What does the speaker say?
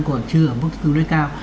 còn chưa ở mức tư nơi cao